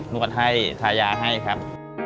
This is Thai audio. นวดให้ทายาให้ครับ